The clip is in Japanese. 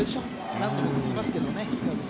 何度も言いますけどね。